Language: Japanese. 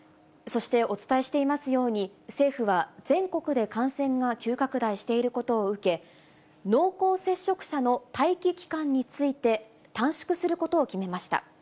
そしてお伝えしていますように、政府は全国で感染が急拡大していることを受け、濃厚接触者の待機期間について、短縮することを決めました。